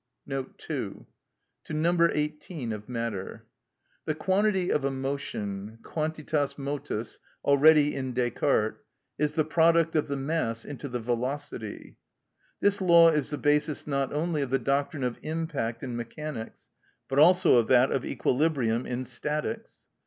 (2) To No. 18 of Matter. The quantity of a motion (quantitas motus, already in Descartes) is the product of the mass into the velocity. This law is the basis not only of the doctrine of impact in mechanics, but also of that of equilibrium in statics.